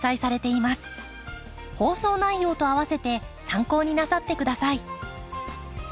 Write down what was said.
放送内容と併せて参考になさってください。